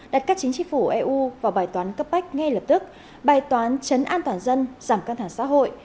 đặt các chính chính phủ eu vào bài toán cấp bách ngay lập tức bài toán chấn an toàn dân giảm căng thẳng xã hội